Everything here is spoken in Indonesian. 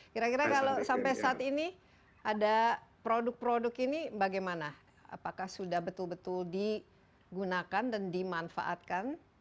kira kira kalau sampai saat ini ada produk produk ini bagaimana apakah sudah betul betul digunakan dan dimanfaatkan